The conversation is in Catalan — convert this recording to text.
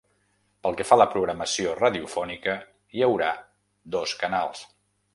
Pel que fa a la programació radiofònica, hi haurà dos canals.